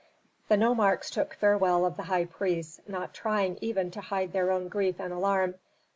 The nomarchs took farewell of the high priests, not trying even to hide their own grief and alarm.